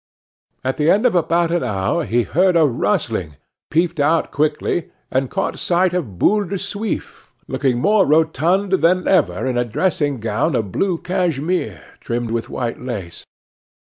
At the end of about an hour he heard a rustling, peeped out quickly, and caught sight of Boule de Suif, looking more rotund than ever in a dressing gown of blue cashmere trimmed with white lace.